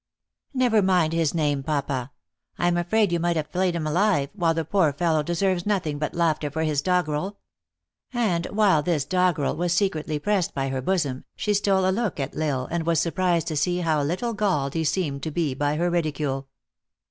" Never mind his name, Papa. 1 am afraid you 316 THE ACTRESS IN HIGH LIFE. might have him flayed alive, while the poor fel low deserves nothing hut laughter for his doggerel." And while this doggerel was secretly pressed by her bosom, she stole a look at L Isle, and was surprised to see how little galled he seemed to be by her ridicule.